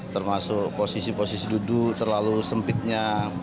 termasuk posisi posisi duduk terlalu sempitnya